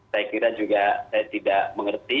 saya kira juga saya tidak mengerti